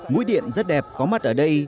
mũi điện rất đẹp có mắt ở đây